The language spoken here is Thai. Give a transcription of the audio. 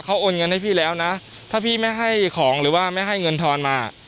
เขาโอนเงินให้พี่แล้วนะถ้าพี่ไม่ให้ของหรือว่าไม่ให้เงินทอนมา